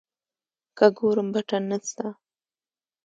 که ګورم بټن نسته.